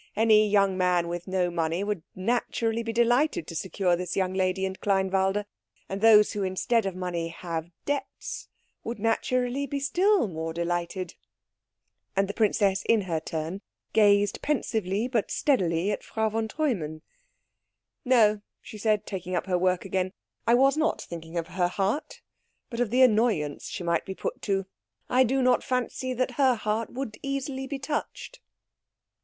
"Any young man with no money would naturally be delighted to secure this young lady and Kleinwalde. And those who instead of money have debts, would naturally be still more delighted." And the princess in her turn gazed pensively but steadily at Frau von Treumann. "No," she said, taking up her work again, "I was not thinking of her heart, but of the annoyance she might be put to. I do not fancy that her heart would easily be touched."